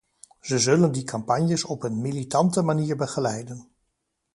Ze zullen die campagnes op een militante manier begeleiden.